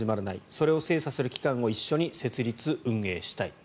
それを精査する期間を一緒に設立・運営したい。